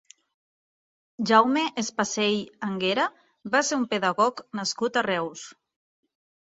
Jaume Espasell Anguera va ser un pedagog nascut a Reus.